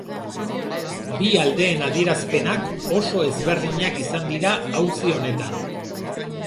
Bi aldeen adierazpenak oso ezberdinak izan dira auzi honetan.